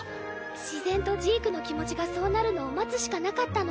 自然とジークの気持ちがそうなるのを待つしかなかったの。